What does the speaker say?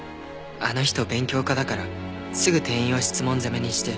あの人勉強家だからすぐ店員を質問攻めにして。